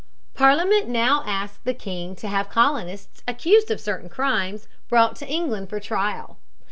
Parliament now asked the king to have colonists, accused of certain crimes, brought to England for trial.